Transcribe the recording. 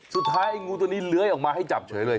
สุดท้ายไอ้งูตัวนี้เล้ยออกมาให้จับเฉยเลย